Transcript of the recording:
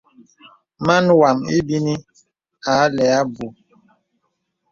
Màn wām ìmìnī a lɛ abù.